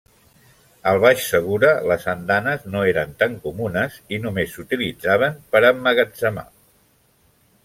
Al Baix Segura, les andanes no eren tan comunes, i només s'utilitzaven per a emmagatzemar.